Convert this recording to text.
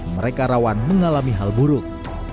mereka rawan mengalami hal buruk